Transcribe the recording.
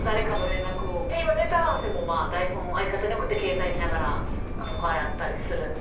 今ネタ合わせも台本を相方に送って携帯見ながらとかやったりするので。